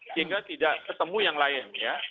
sehingga tidak ketemu yang lain ya